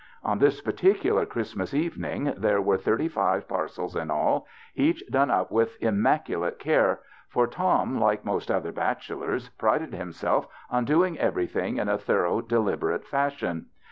On this particular Christmas evening there were thirty five par cels in all, each done up with immaculate care, for Tom, like most other bachelors, prided himself on doing everything in a thor ough, deliberate fashion.